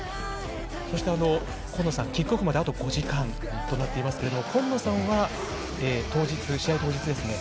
そしてあの今野さんキックオフまであと５時間。となっていますが、今野さんは当日、試合当日ですね